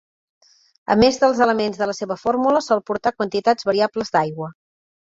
A més dels elements de la seva fórmula, sol portar quantitats variables d'aigua.